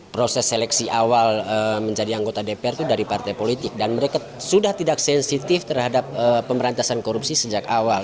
proses seleksi awal menjadi anggota dpr itu dari partai politik dan mereka sudah tidak sensitif terhadap pemberantasan korupsi sejak awal